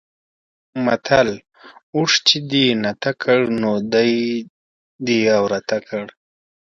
متل: اوښ چې دې نته کړ؛ نو دی عورته کړ.